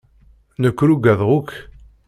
Nekk ur ugadeɣ akk.